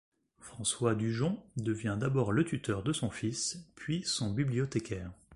François du Jon devient d’abord le tuteur de son fils, puis son bibliothécaire.